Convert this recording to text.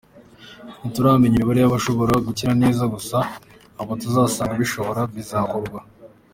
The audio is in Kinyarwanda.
Ntituramenya imibare y’abashobora gukira neza, gusa abo tuzasanga bishoboka, bizakorwa.